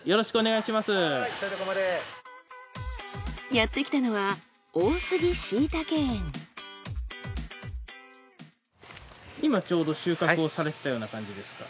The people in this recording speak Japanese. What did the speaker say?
やってきたのは今ちょうど収穫をされてたような感じですか？